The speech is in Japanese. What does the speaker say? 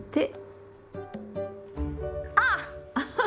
あっ！